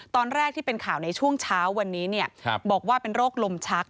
ตอนแรกที่เป็นข่าวในช่วงเช้าวันนี้บอกว่าเป็นโรคลมชัก